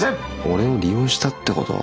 俺を利用したってこと？